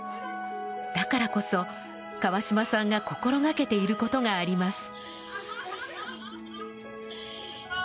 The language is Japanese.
だからこそ、川島さんが心がけていることがあります。